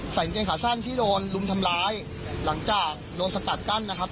กางเกงขาสั้นที่โดนลุมทำร้ายหลังจากโดนสกัดกั้นนะครับ